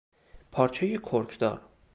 پارچهی کرکدار